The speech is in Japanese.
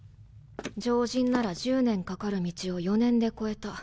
常人なら１０年かかる道を４年で越えた。